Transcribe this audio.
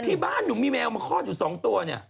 ที่บ้านหนูมีแมวมาคลอดอยู่๒ตัวเนี่ย